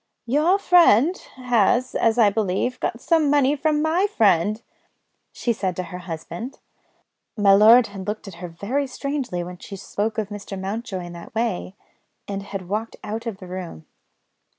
"Your friend has, as I believe, got some money from my friend," she said to her husband. My lord had looked at her very strangely when she spoke of Mr. Mountjoy in that way, and had walked out of the room.